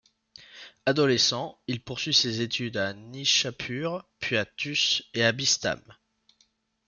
Adolescent, il poursuit ses études à Nishapur puis à Tūs et à Bistām.